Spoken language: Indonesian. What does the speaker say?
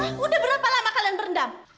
hah udah berapa lama kalian berendam